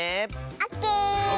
オッケー！